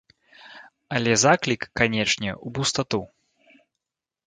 Але заклік, канечне, у пустату.